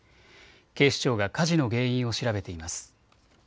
警視庁が火事の原因を調べています。